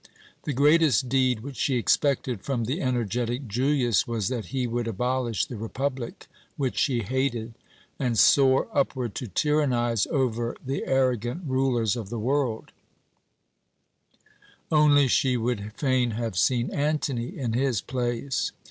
The greatest deed which she expected from the energetic Julius was that he would abolish the republic, which she hated, and soar upward to tyrannize over the arrogant rulers of the world only she would fain have seen Antony in his place.